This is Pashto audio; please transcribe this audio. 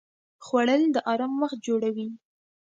خوړل د آرام وخت جوړوي